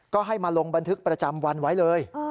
ก็ให้มาลงบันทึกประจำวันไว้เลย